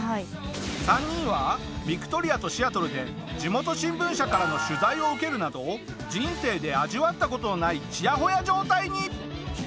３人はビクトリアとシアトルで地元新聞社からの取材を受けるなど人生で味わった事のないチヤホヤ状態に。